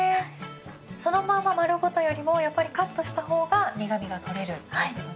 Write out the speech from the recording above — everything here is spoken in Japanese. そのまま丸ごとよりもやっぱりカットした方が苦みが取れるっていうことなんですね。